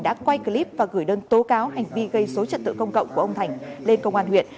đã quay clip và gửi đơn tố cáo hành vi gây số trật tự công cộng của ông thành lên công an huyện